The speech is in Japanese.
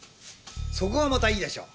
そこがまたいいでしょ？